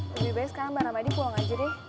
lebih baik sekarang mbak ramadi pulang aja deh